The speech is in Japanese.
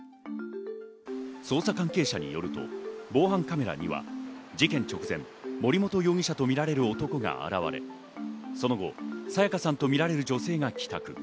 捜査関係者によると、防犯カメラには事件直前、森本容疑者と見られる男が現れ、その後、彩加さんとみられる女性が帰宅。